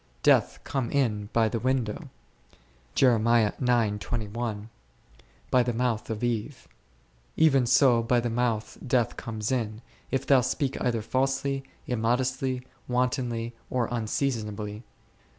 Death came in by the window n , by the mouth of Eve ; even so by thy mouth death comes in, if thou speak either falsely, immodestly, wantonly, or unseasonably.